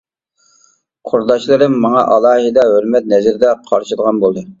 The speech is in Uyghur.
قۇرداشلىرىم ماڭا ئالاھىدە ھۆرمەت نەزىرىدە قارىشىدىغان بولدى.